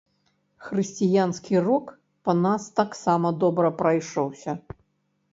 Хрысціянскі рок па нас таксама добра прайшоўся!